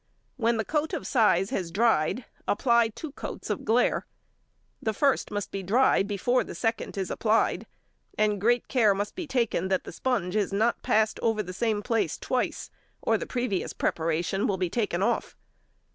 When the coat of size has dried, apply two coats of glaire. The first must be dry before the second is applied, and great care must be taken that the sponge is not passed over the same place twice, or the previous preparation will be taken off.